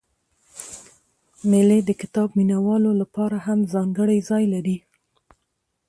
مېلې د کتاب د مینه والو له پاره هم ځانګړى ځای لري.